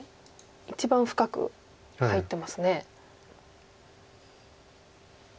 一番深く入ってますね。